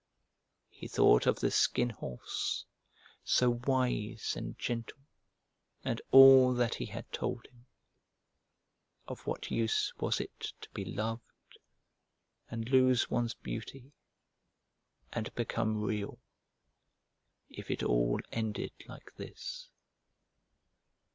He thought of the Skin Horse, so wise and gentle, and all that he had told him. Of what use was it to be loved and lose one's beauty and become Real if it all ended like this?